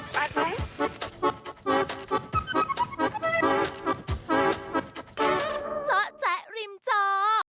เจ้าแจ๊ะริมเจ้า